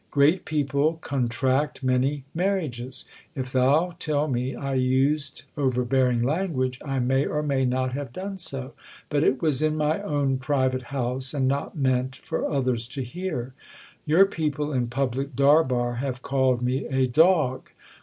Great people contract many marriages. If thou tell me I used overbearing language, I may or may not have done so ; but it was in my own private house and not meant for others to hear. Your people in public darbar have called me a dog.